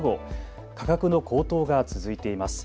価格の高騰が続いています。